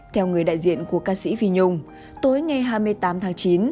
theo người đại diện của ca sĩ vi nhung tối ngày hai mươi tám tháng chín